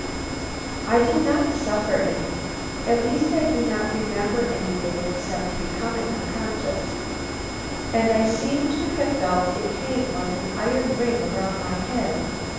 "I did not suffer any at least I do not remember anything except becoming unconscious. And I seem to have felt a pain like an iron ring around my head.